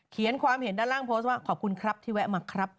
ความเห็นด้านล่างโพสต์ว่าขอบคุณครับที่แวะมาครับ